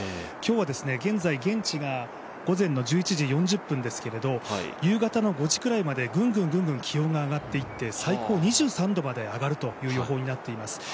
今日は現在、現地が午前の１１時４０分ですけれども、夕方の５時くらいまでぐんぐん気温が上がっていって最高２３度まで上がるという予報になっています。